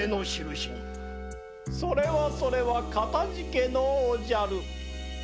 それはそれはかたじけのうおじゃる。